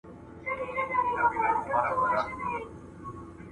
دې مخلوق ته به مي څنګه په زړه کیږم؟